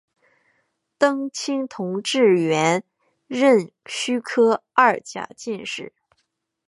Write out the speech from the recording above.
登清同治元年壬戌科二甲进士。